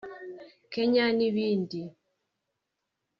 Kenya n’ibindi